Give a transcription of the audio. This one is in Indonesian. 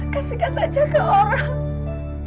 kasihkan saja ke orang